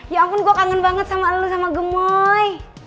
ya ampun gue kangen banget sama allu sama gemoy